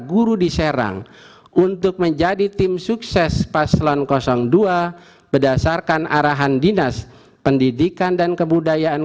guru di serang untuk menjadi tim sukses paslon dua berdasarkan arahan dinas pendidikan dan kebudayaan